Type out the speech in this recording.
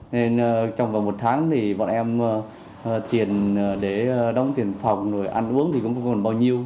nên trong vòng một tháng thì bọn em tiền để đóng tiền phòng ăn uống thì cũng không còn bao nhiêu